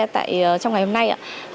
trong ngày hôm nay